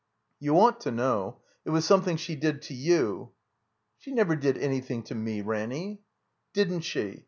"You ought to know. It was something she did to you." "She never did anything to me, Ranny." '' Didn't she ?